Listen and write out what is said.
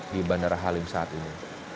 di bandara halim saat ini